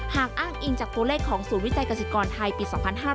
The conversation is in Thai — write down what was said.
หากอ้างอิงจากตัวเลขของศูนย์วิจัยกษิกรไทยปี๒๕๕๙